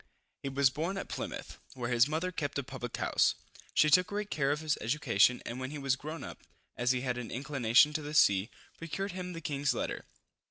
He was born at Plymouth, where his mother kept a public house. She took great care of his education, and when he was grown up, as he had an inclination to the sea, procured him the king's letter.